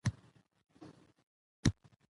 هر غږ د اورېدو وړ دی